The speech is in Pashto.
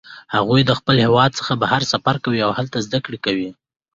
هغوی له خپل هیواد څخه بهر سفر کوي او هلته زده کړه کوي